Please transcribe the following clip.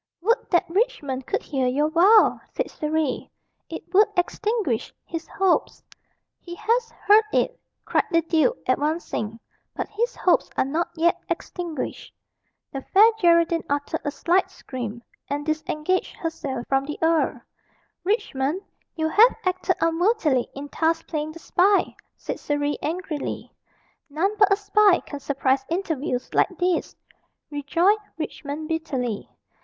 "Would that Richmond could hear your vow!" said Surrey; "it would extinguish his hopes." "He has heard it!" cried the duke, advancing. "But his hopes are not yet extinguished." The Fair Geraldine uttered a slight scream, and disengaged herself from the earl. "Richmond, you have acted unworthily in thus playing the spy," said Surrey angrily. "None but a spy can surprise interviews like these," rejoined Richmond bitterly.